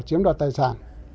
chiếm đoạt tài sản